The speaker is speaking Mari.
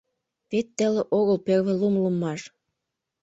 Вет теле огыл первый лум луммаш.